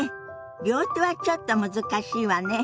両手はちょっと難しいわね。